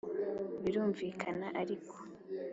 Birumvikana ariko